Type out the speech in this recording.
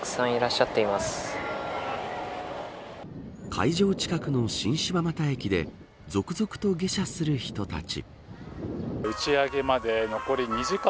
会場近くの新柴又駅で続々と下車する人たち。